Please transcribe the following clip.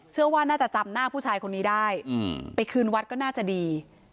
เชื่อว่าน่าจะจำหน้าผู้ชายคนนี้ได้ไปคืนวัดก็น่าจะดี